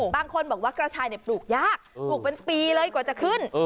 บางคนบอกว่ากระชายปลูกยากปลูกเป็นปีเลยกว่าจะขึ้น